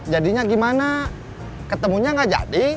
jadinya gimana ketemunya nggak jadi